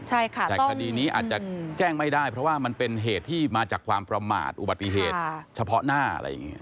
แต่คดีนี้อาจจะแจ้งไม่ได้เพราะว่ามันเป็นเหตุที่มาจากความประมาทอุบัติเหตุเฉพาะหน้าอะไรอย่างนี้